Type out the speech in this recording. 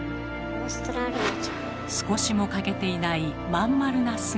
少しも欠けていないまん丸な姿。